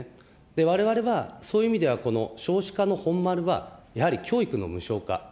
われわれは、そういう意味では、この少子化の本丸は、やはり教育の無償化。